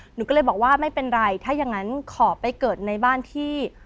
หนูก็เลยบอกว่าไม่เป็นไรถ้ายังงั้นขอไปเกิดในบ้านที่